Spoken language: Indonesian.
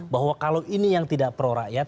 bahwa kalau ini yang tidak pro rakyat